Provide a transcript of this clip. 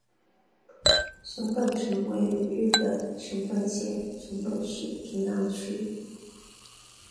熊本城位于日本熊本县熊本市中央区。